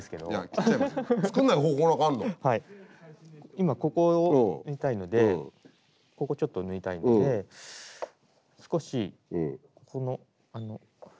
今ここを縫いたいのでここちょっと縫いたいので少しこの破れの間から。